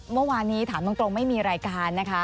เมื่อวานนี้ถามตรงไม่มีรายการนะคะ